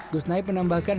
gus nahib menambahkan